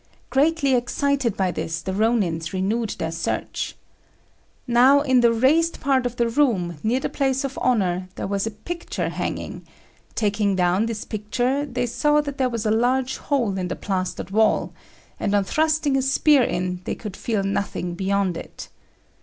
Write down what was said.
Greatly excited by this, the Rônins renewed their search. Now in the raised part of the room, near the place of honour, there was a picture hanging; taking down this picture, they saw that there was a large hole in the plastered wall, and on thrusting a spear in they could feel nothing beyond it.